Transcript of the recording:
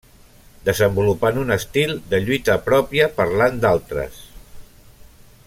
Desenvolupant un estil de lluita pròpia parlant d'altres.